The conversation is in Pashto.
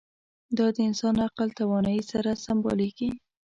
دا د انسان عقل توانایۍ سره سمبالېږي.